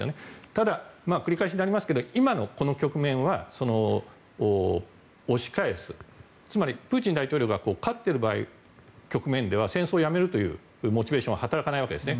ただ、繰り返しになりますが今のこの局面は、押し返すつまりプーチン大統領が勝っている局面では戦争をやめるというモチベーションは働かないわけですね。